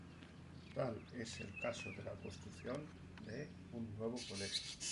Tal es el caso de la construcción de un nuevo Colegio.